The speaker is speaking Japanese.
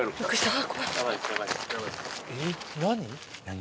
何！？